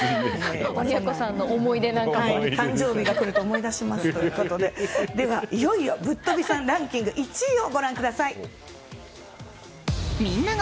誕生日が来ると思い出しますということででは、いよいよぶっとびさんランキング第１位は。